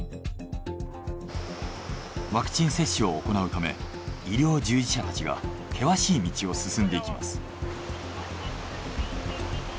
ワクチン接種を行うため医療従事者たちが険しい道を進んでいきます。